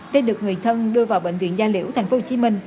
trên được người thân đưa vào bệnh viện gia liễu tp hcm